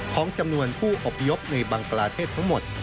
ของจำนวนผู้อบพยพในบังกลาเทศทั้งหมด